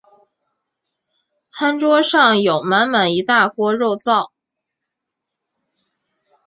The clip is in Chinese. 餐桌上有满满一大锅肉燥